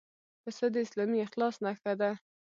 پسه د اسلامي اخلاص نښه ده.